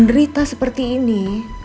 dan menerita seperti ini